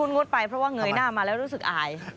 งดไปเพราะว่าเงยหน้ามาแล้วรู้สึกอาย